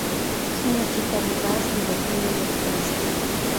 Es una chica vivaz, divertida y optimista.